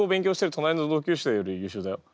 隣の同級生より優秀だよ。